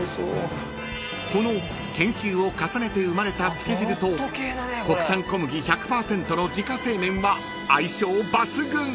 ［この研究を重ねて生まれたつけ汁と国産小麦１００％の自家製麺は相性抜群！］